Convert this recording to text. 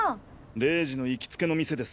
玲二の行きつけの店です。